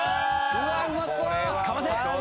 うわっうまそう！